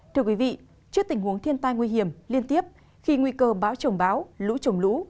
thưa quý vị trước tình huống thiên tai nguy hiểm liên tiếp khi nguy cơ bão trồng bão lũ trồng lũ